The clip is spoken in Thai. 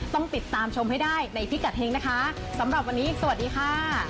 ต้องติดตามชมให้ได้ในพิกัดเฮงนะคะสำหรับวันนี้สวัสดีค่ะ